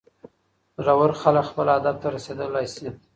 زړور خلګ خپل هدف ته رسیدلی سي.